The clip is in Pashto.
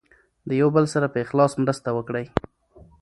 د یو بل سره په اخلاص مرسته وکړئ.